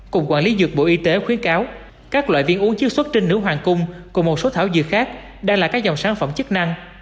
cục quản lý dược bộ y tế khuyến cáo các loại viên uống chứa xuất trên nữ hoàng cung cùng một số thảo dược khác đang là các dòng sản phẩm chức năng